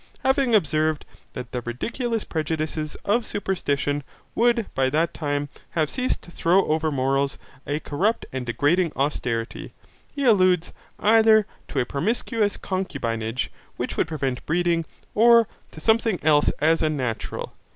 Having observed, that the ridiculous prejudices of superstition would by that time have ceased to throw over morals a corrupt and degrading austerity, he alludes, either to a promiscuous concubinage, which would prevent breeding, or to something else as unnatural.